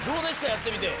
やってみて。